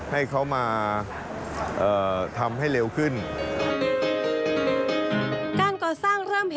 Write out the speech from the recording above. ให้เขามาทำให้เร็วขึ้น